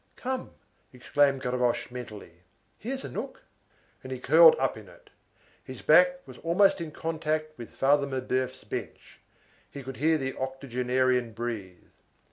"Come," exclaimed Gavroche mentally, "here's a nook!" and he curled up in it. His back was almost in contact with Father Mabeuf's bench. He could hear the octogenarian breathe.